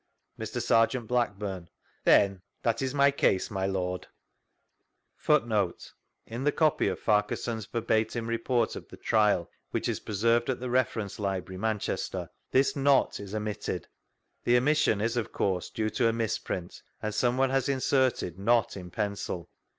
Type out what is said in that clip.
Mr. Serjeant Blackburne: Then that is my case, my Lord. ■V Google STANLEY'S EVIDENCE 43 ^In the copy of Farquharson's verbatim Report of die Itial, which is preserved at the Rderence Library, Manchester, this " not " is omitted. The omiasios is, of course, due to a mis|»int, and someone has in serted " not " in pencil.